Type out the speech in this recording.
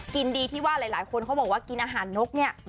ดีที่ว่าหลายคนเขาบอกว่ากินอาหารนกเนี่ย